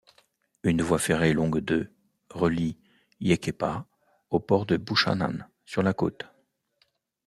Une voie ferrée longue de relie Yekepa au port de Buchanan, sur la côte.